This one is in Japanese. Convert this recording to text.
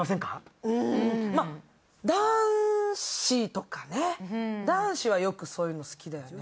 男子とかね、男子はよくそういうの好きだよね。